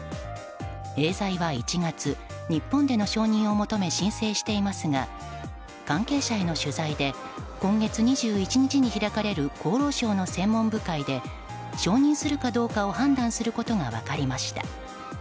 エーザイは１月日本での承認を求め申請していますが関係者への取材で今月２１日に開かれる厚労省の専門部会で承認するかどうかを判断することが分かりました。